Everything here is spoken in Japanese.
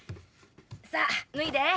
さあ脱いで。